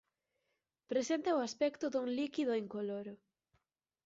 Presenta o aspecto dun líquido incoloro.